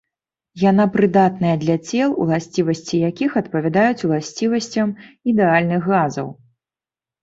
Яна прыдатная для цел, уласцівасці якіх адпавядаюць уласцівасцям ідэальных газаў.